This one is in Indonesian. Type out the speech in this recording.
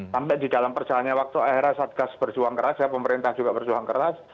sampai di dalam perjalanan waktu akhirnya satgas berjuang keras ya pemerintah juga berjuang keras